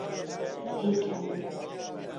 پێکەنیم.